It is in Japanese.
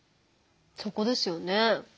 そこですよね。